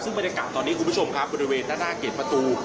ซึ่งบรรยากาศตอนนี้คุณผู้ชมครับบริเวณด้านหน้าเกรดประตู